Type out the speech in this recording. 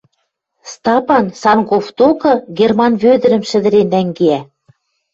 Стапан Санков докы Герман Вӧдӹрӹм шӹдӹрен нӓнгеӓ.